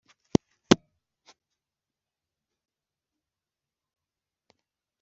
Hakagenderwa ku masezerano yuko bisanzwe bikorwa